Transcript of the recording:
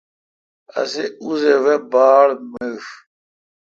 اسے اوزہ وے باڑ میݭ۔